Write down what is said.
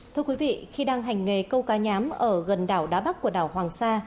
thưa quý vị khi đang hành nghề câu cá nhám ở gần đảo đá bắc của đảo hoàng sa